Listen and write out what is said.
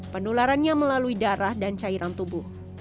penularannya melalui darah dan cairan tubuh